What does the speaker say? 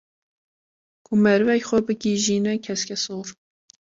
ku merivek xwe bigîjîne keskesor